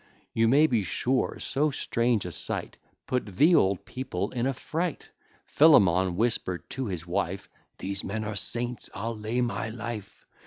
You may be sure so strange a sight, Put the old people in a fright: Philemon whisper'd to his wife, "These men are Saints I'll lay my life!"